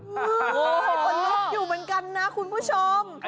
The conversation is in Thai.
โอ้โหคนลุกอยู่เหมือนกันนะคุณผู้ชม